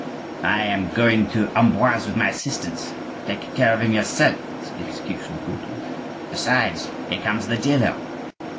"I am going to Amboise with my assistants,—take care of him yourself," said the executioner, brutally. "Besides, here comes the jailer."